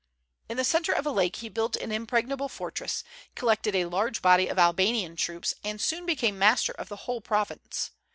In the centre of a lake he built an impregnable fortress, collected a large body of Albanian troops, and soon became master of the whole province.